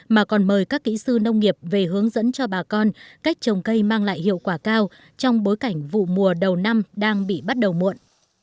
mà còn mời các kỹ sư nông nghiệp về hướng dẫn cho bà con cách trồng cây mang lại hiệu quả cao trong bối cảnh vụ mùa đầu năm đang bị bắt đầu muộn